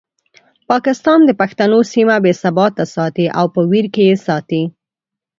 پاکستان د پښتنو سیمه بې ثباته ساتي او په ویر کې یې ساتي.